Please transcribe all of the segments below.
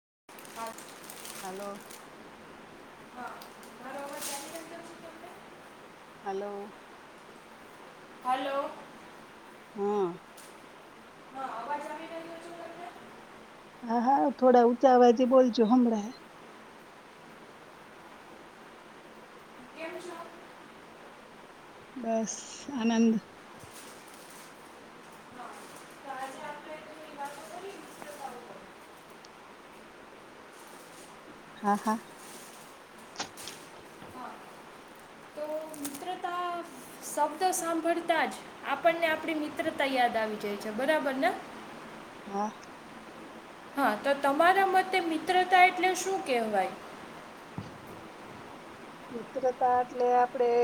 [inaudible] Hello. હા બરોબર [unintelligible] હાલો. Hello. હા. હ આવાજ આવી રહ્યો છું તમને? હા હા થોડા ઊંચા વાવાજે બોલજો હમણાં. કેમ છો? બસ આનંદ. હા હા. તો મિત્રતા શબ્દો સાંભળતા જ આપણને આપણી મિત્રતા યાદ આવી જાય છે બરાબર ને. હા. હા તો તમારા મતે મિત્રતા એટલે શું કેહેવાય? મિત્રતા એટલે આપણેે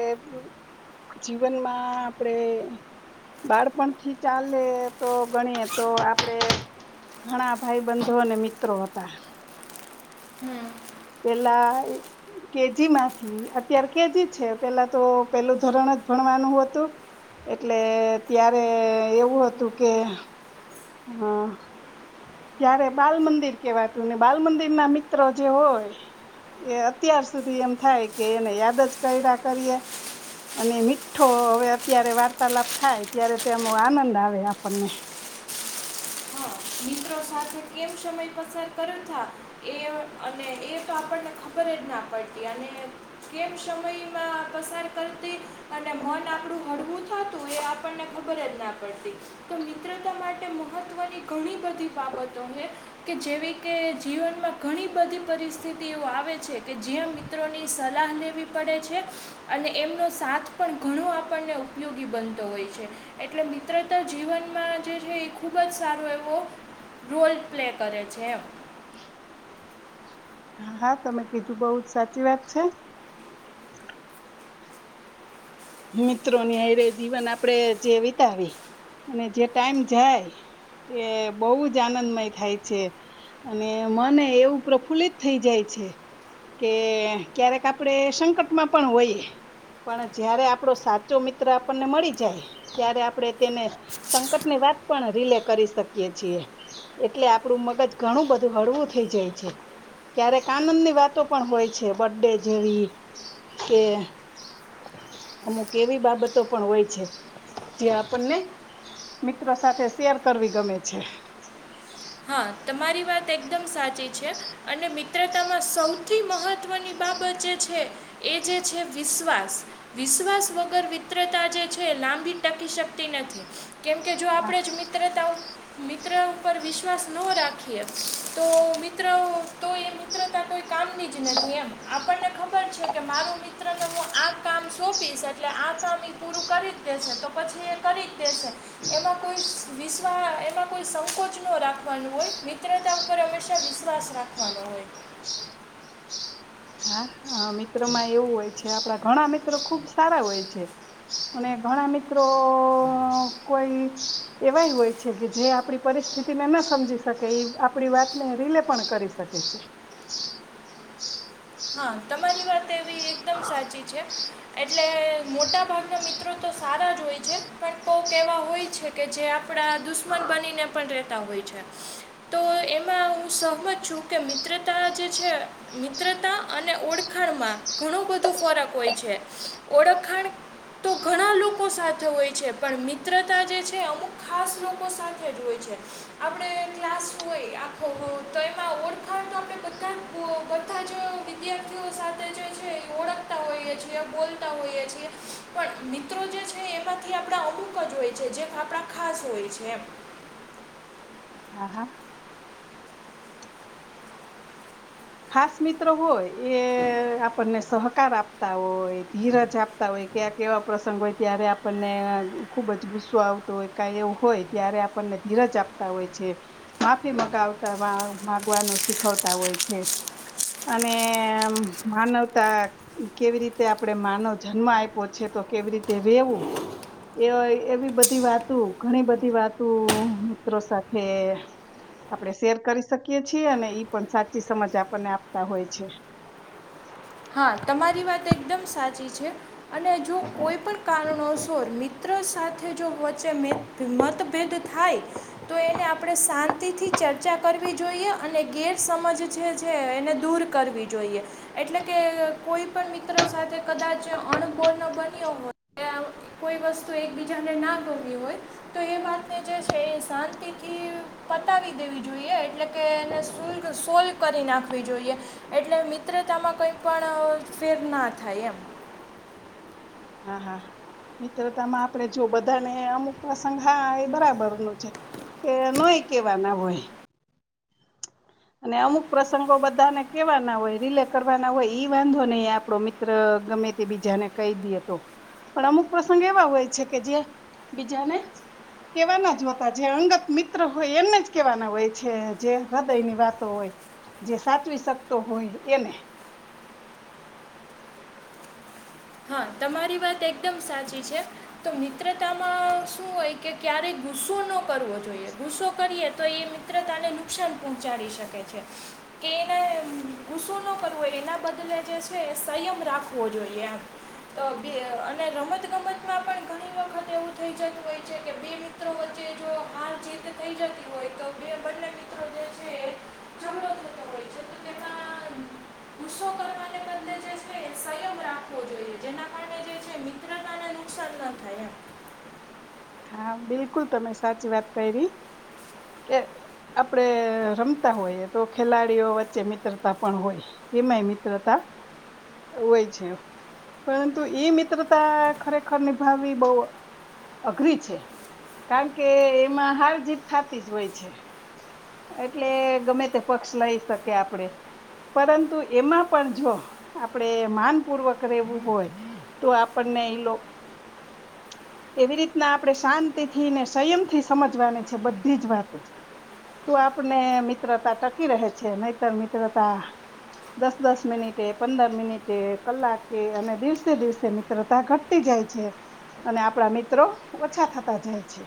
જીવનમાં આપણેે બાળપણથી ચાલે તો ગણીએ તો આપણે ઘણા ભાઈ બંધો અને મિત્રો હતા. હમ પેલા કેજી માંથી અત્યારે કેજી છે પેલા તો પેલું ધરણ જ ભણવાનું હતું, એટલે ત્યારે એવું હતું કે હા. ત્યારે બાલ મંદિર કેવાતું ને બાલ મંદિર ના મિત્રો જે હોય, એ અત્યાર સુધી એમ થાય કે એને યાદ જ કર્યા કરીએ, અને મીઠો હવે અત્યારે વાર્તાલાપ થાય ત્યારે તેનો આનંદ આવે આપણને. હા એ અને એ તો આપણને ખબર જ ના પડતી અને કેમ સમયમાં પસાર કરતી અને મન આપણું હળવું થતું એ આપણને ખબર જ ના પડતી તો મિત્રતા માટે મહત્વની ઘણી બધી [unintelligible] બાબતો છે, કે જેવી કે જીવનમાં ઘણી બધી પરિસ્થિતિ એવ આવે છે કે જ્યાં મિત્રોની સલાહ લેવી પડે છે, અને એમનો સાથ પણ ઘણો આપણને ઉપયોગી બનતો હોય છે, એટલે મિત્રતા જીવનમાં જે છે એ ખુબ જ સારો એવો રોલ પ્લે કરે છે એમ. હા હા તમે કીધું બહ જ સાચી વાત છે. મિત્રોની હ ર જીવન આપડે જે વિતાવી, અને જે ટાઈમ જાય એ બહુ જ આનંદમય થાય છે, અને મને એવું પ્રફુલ્લિત થઈ જાય છે, કે ક્યારેક આપડે સંકટમાં પણ હોઈ, પણ જયારે આપો સાચો મિત્ર આપણને મળી જાય, ત્યારે આપણે તેને સંકટની વાત પણ રીલે કરી શકીએ છીએ, એટલે આપડું મગજ ઘણું બધું હળવું થઈ જાય છે, ક્યારેક આનંદ ની વાતો પણ હોય છે બ ડે જેવી કે અમુક એવી બાબતો પણ હોય છે, જે આપણને મિત્રો સાથે શેર કરવી ગમે છે. હા તમારી વાત એકદમ સાચી છે અને મિત્રતામાં સૌથી મહત્વની બાબત જે છે એ જે છે વિશ્વાસ વિશ્વાસ વગર મિત્રતા જે છે લાંબી ટકી શકતી નથી કેમકે જો આપણેે જ મિત્રતાઓ મિત્ર ઉપર વિશ્ ્વા ન રાખીએ તો મિત્ર તો એ મિત્રતા કોઈ કામની જ નથી એમ આપણને ખબર છે કે મારું મિત્રને હું આ કામ સોંપીશ એટલે આ કામ એ પૂરું કરી જ દેશે તો પછી એ કરી જ દેશે એમાં કોઈ વિશ્વા એમાં કોઈ સંકોચ ન રાખ કન હોય મિત્રતા ઉપર હંમેશા વિશ્વાસ રાખવાનો હોય હા હા મિત્રો માં એવું હોય છે કે આપણા ઘણા મિત્રો ખુબ સારા હોય છે અને ઘણા મિત્રો કોઈ એવાય હોય છે કે જે આપણી પરિસ્થિતિને ના સમજી શકે એ આપણી વાતને રીલે પણ કરી શકે છે હા તમારી વાત તેવી એકદમ સાચી છે એટલે મોટા ભાગના મિત્રો તો સારા જ હોય છે પણ કોહક એવા હોય છે કે જે આપ આપણા દુશ્મન બનીને પણ રહે તો એમાં હું સહમત છું કે મિત્રતા જે છે મિત્રતા અને ઓળખાણમાં ઘણો બધો ફરક હોય છે ઓળખાણ તો ઘણા લોકો સાથે હોય છે પણ મિત્રતા જે છે અમુક ખાસ લોકો સાથે જ હોય છે આપણે ક્લાસ હોય આખો તો એમાં ઓળખાણ તો આપણે બધા બધા જ વિદ્યાર્થીઓ સાથે જે છે ઓળખતા હોઈએ છેએ બોલતા હોઈએએ પણ મિત્રો જે છે એમાંથી આપણા અમુક જ હોય છે જે આપણા ખાસ હોય છે હા હા ખાસ મિત્ર હોય એ આપણને સહક આકાર આપતા હોય ધીરજ આપતા હોય ક્યાંક એવા પ્રસંગ હોય ત્યારે આપણને ખુબ જ ગુસ્સો આવતો હોય કા એવું હોય ત્યારે આપણને ધીરજ આપતા હોય છે માફી મગાવતા માગવાનું શીખવતા હોય છે અને માનવતા કેવી રીતે આપડે માનવ જન્મ આપ્યો છે તો કેવી રીતે રેવું એ એવી બધી વાતો ઘણી બધી વાતો મિત્રો સાથે આપડે શેર કરી શકીએ છીએ અને ઈ પણ સાચી સમજ આપ ને આપતા હોય છે હા તમારી વાત એકદમ સાચી છે અને જો કોઈ પણ કારણોસોર મિત્ર સાથે જો વચ્ચે મતભેદ થાય તો એને આપણે શાંતિથી ચર્ચા કરવી જોઈએ અને ગેરસમજ જે છે એને દૂર કરવી જોઈએ એટલે કે કોઈ પણ મિત્ર સાથે કદાચ અણબોર્ણ બન્યો હોય કે કોઈ વસ્તુ એકબીજાને ના દોરવી હોય તો એ વાતને જે છે એ શાંતિથી પતાવી દેવી જોઈએ એટલે કે એને શલ્ સોલ્વ કરી નાખવી જોઈએ એટલે મિત્ર તત્રા માં કોઈ પણ ફેર ના થાય એમ હા હા મિત્રતામાં આપણે જો બધાને અમુક પ્રસંગ હા એ બરાબર ન છે કે નય કેવાના હોય અને અમુક પ્રસંગો બધાને કેવાના હોય રિલે કરવાના હોય ઈ વાંધો નહી આપડો મિત્ર ગમે તે બીજાને કહી દી તો પણ અમુક પ્રસંગ એવા હોય છે કે જે બીજાને કેવાના જ હોતા જે અંગત મિત્ર હોય એમને જ કેવાના હોય છે જે ની વાતો હોય જે સાચવી શકતો હોય એને હા તમારી વાત એકદમ સાચી છે તો મિત્રતામાં શું હોય કે ક્યારેય ગુસ્સો ન કરવો જોઈએ ગુસ્સો કરીએ તો એ મિત્રતાને નુકસાન પહોંચાડી શકે છે કે એને ગુસ્સો ન કરવો હોય એના બદલે જે છે એ સંયમ રાખવો જોઈએ તો અને રમત ગમતમાં પણ ઘણી વખત એવું થઈ જતું હોય છે કે બે મિત્રો વચ્ચે જો હાર જેીત થઈ જતી હોય તો બે બંને મિત્રો છે થતો હોય છે તેમાં ગુસ્સો કરવા જે ના કારને જે છે મિત્રતાને નુકસાન ન થાય એમ હા બિલકુલ તમે સાચી વાત કરી ર કે આપડે રમતા હોઈએ તો ખેલાડીઓ વચ્ચે મિત્રતા પણ હોય એમાંય મિત્રતા હોય છે પરંતુ એ મિત્રતા ખરેખર નિભાવી બહ અઘરી છે કારણ કે એમાં હાર જીત થતી જ હોય છે એટલે ગમે તે પક્ષ લઈ શકે આપણેે પરંતુ એમાં પણ જો આપણેે માન પૂર્વક રહેવું હોય તો આપણને ઈ લોકો એવી રીતના આપણે શાંતિ થી ને સંયમથી સમજવાની છે બધી જ વાતો તો આપને મિત્રતા ટકી રહે છે નહીતર મિત્રતા દસ દસ મિનિટે પંદર મિનિટે કલાકે અને દિવસે દિવસે મિત્રતા ઘટતી જાય છે અને આપણા મ મિત્રો ઓછા થતા જાય છે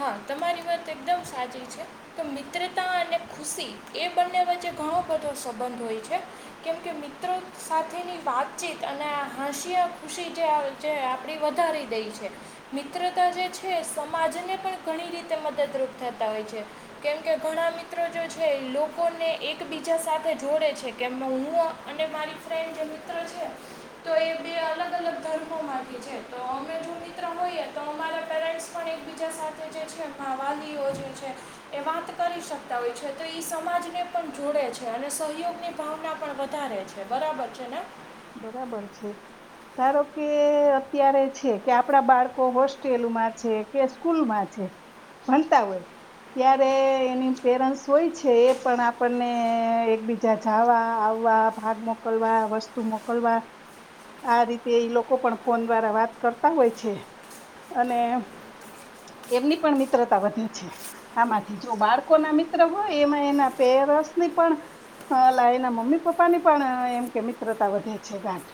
હા તમારી વાત એકદમ સાચી છે કે મિત્રતા અને ખુશી એ બંને વચ્ચે ઘણો બધો સંબંધ હોય છે કેમ કે મિત્રો સાથેની વાતચીત અને હસીિયા ખુશી જે આપણી વધારી દઈ છે મિત્રતા જે છે સમાજને ઘણી રીતે મદદરૂપ થતા હોય છે. કેમ કે ઘણા મિત્રો જો છે લોકોને એકબીજા સાથે જોડે છે. કેમ હું અને મારી ફ્રેન્ડ જે મિત્ર છે તો એ બે અલગ અલગ ધર્મોમાંથી છે. તો અમે જો મિત્ર હોઈએ તો અમારા પેરેન્ટ્સ પણ એકબીજા સાથે જે છે મા વાલીઓ જે છે એ વાત કરી શકતા હોય છે તો એ સમાજને પણ જોડે છે અને સહયોગની ભાવના પણ વધારે છે. બરાબર છે ને? બરાબર છે. ધારો કે અત્યારે છે કે આપડા બાળકો હોસ્ટેલમાં છે કે સ્કૂલમાં છે ભણતા હોય. ત્યારે એની પેરન્ટસ હોય છે એ પણ આપણને એકબીજા જાવા, આવવા, ભાગ મોકલવા વ તુ મોકલવા આ રીતે એ લોકો પણ ફોન દ્વારા વાત કરતા હોય છે અને એમની પણ મિત્રતા વધે છે. આમાંથી જો બાળકો ના મિત્ર હોય એમાં એના પેરસની પણ એના મમ્મી પપ્પા ની પણ એમ કે મી ત્રતા વધે છે ગાટ.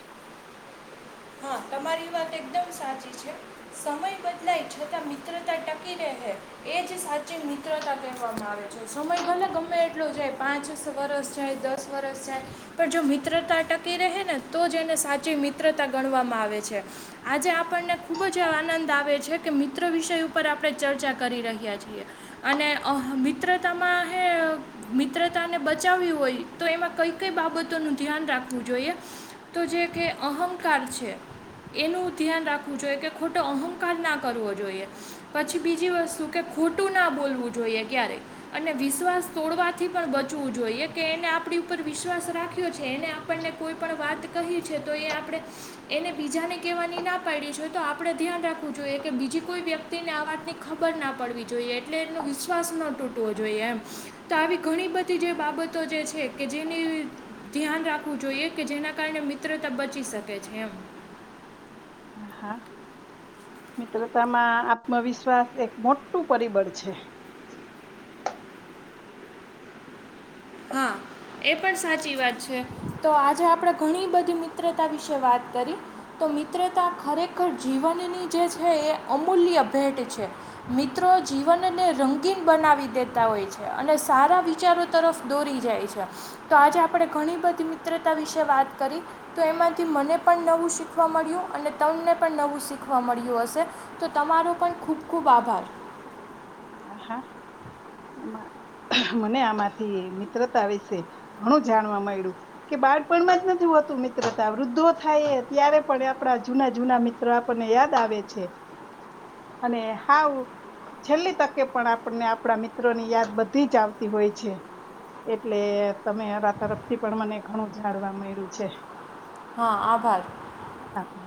હા તમારી વાત એકદમ સાચી છે. સમય બદલાય છતાં મિત્રતા ટકી રહે એ જ સાચી મિત્રતા કહેવામાં આવે છે. સમય ભલે ગમે એટલો જાય પાંચ વરસ જાય, દસ વરસ જાય પણ જો મિત્રતા ટકી રહે ને તો જ એને સાચી મિત્રતા ગણવામાં આવે છે. આજે આપણને ખૂબ જ આનંદ આવે છે કે મિત્ર વિષય ઉપર આપણે ચર્ચા કરી રહ્યા છીએ અને અ મિત્રતામાં હ મિત્રતાને બચાવવી હોય તો એમાં કઈ કઈ બાબતોનું ધ્યાન રાખવું જોઈએ તો જે કે અહંકાર છે એનું ધ્યાન રાખવું જોઈએ કે ખોટો અહંકાર ના કરવો જોઈએ. પછી બીજી વસ્તુ કે ખોટું ના બોલવું જોઈએ ક્યારે અને વિશ્વાસ તોડવાથી પણ બચવું જોઈએ કે એને આપણી ઉપર વિશ્વાસ રાખ્યો છે એને આપણને કોઈ પણ વાત કહી છે તો એ આપણે એને બીજાને કહેવાની ના પાડી છે તો આપણે ધ્યાન રાખવું જોઈએ કે બીજી કોઈ વ્યક્તિને આ વાતની ખબર ના પડવી જોઈએ એટલે એનો વિશ્વાસ ન તૂટવો જોઈએ એમ. તો આવી ઘણી બધી જે બાબતો જે છે કે જેની ધ્યાન રાખવું જોઈએ કે જેના કારણે મિત્રતા બચી શકે છે એમ. હા મિત્રતામાં આત્મવિશ્વાસ એક મોટું પરિબળ છે. હા એ પણ સાચી વાત છે. તો આજે આપણે ઘણી બધી મિત્રતા વિશે વાત કરી તો મિત્રતા ખરેખર જીવનની જે છે એ અમૂલ્ય ભેટ છે. મિત્રો જીવનને રંગીન બનાવી દેતા હોય છે અને સારા વિચારો તરફ દોરી જાય છે. તો આજે આપણે ઘણી બધી મિત્રતા વિશે વાત કરી તો એમાંથી મને પણ નવું શીખવા મળ્યું અને તમને પણ નવું શીખવા મળ્યું હશે. તો તમારો પણ ખૂબ ખૂબ આભાર. હા હા, મને આમાંથી મિત્રતા વિશે ઘણું જાણવા મળ્યું કે બાળપણમાં જ નથી હોતું મિત્રતા વૃદ્ધો થાય ત્યારે પણ આપડા જૂના જૂના મિત્ર આપણને યાદ આવે છે અને હાવ છેલ્લી તકે પણ આપણને આપણા મિત્રો ની યાદ બધી જ આવતી હોય છે. એટલે તમે અરા તરફથી પણ મને ઘણું જાણવા મળ્યું છે. હા આભાર. આભાર